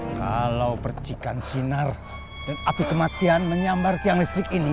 kalau percikan sinar dan api kematian menyambar tiang listrik ini